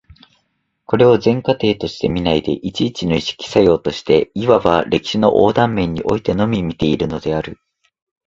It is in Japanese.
これを全過程として見ないで、一々の意識作用として、いわば歴史の横断面においてのみ見ているのである。